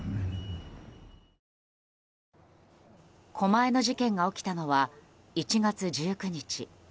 狛江の事件が起きたのは１月１９日。